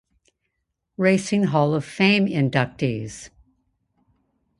Racing Hall of Fame inductees.